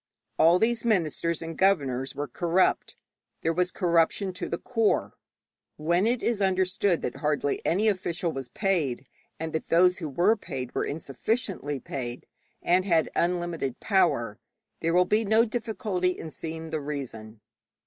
All these ministers and governors were corrupt; there was corruption to the core. When it is understood that hardly any official was paid, and that those who were paid were insufficiently paid, and had unlimited power, there will be no difficulty in seeing the reason.